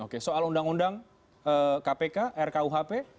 oke soal undang undang kpk rkuhp